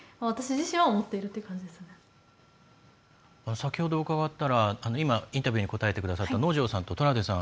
先ほど伺ったら今、インタビューに答えてくださった能條さんとトラウデンさん